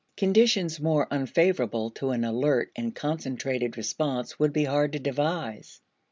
Conditions more unfavorable to an alert and concentrated response would be hard to devise.